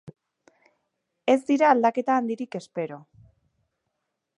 Ez dira aldaketa handirik espero.